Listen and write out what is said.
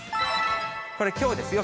これ、きょうですよ。